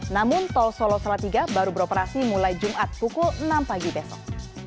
namun tol solo salatiga baru beroperasi mulai jumat pukul enam pagi besok